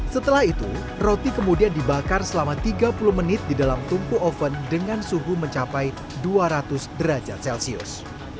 setelah itu roti kemudian dibakar selama tiga puluh menit di dalam tungku oven dengan suhu mencapai dua ratus derajat celcius